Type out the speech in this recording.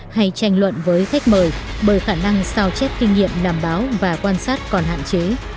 hay tranh luận với khách mời bởi khả năng sao chép kinh nghiệm làm báo và quan sát còn hạn chế